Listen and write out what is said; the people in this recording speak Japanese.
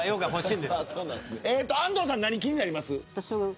安藤さん何が気になりますか。